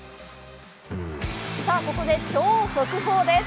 ここで超速報です。